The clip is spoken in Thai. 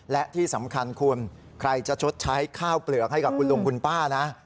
และที่สำคัญคุณใครจะชดใช้ข้าวเปลือกให้กับคุณลุงคุณป้านะ